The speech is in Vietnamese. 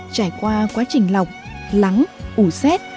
trải qua quá trình lọc lắng ủ xét